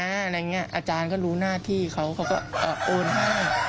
อะไรอย่างนี้อาจารย์ก็รู้หน้าที่เขาเขาก็โอนให้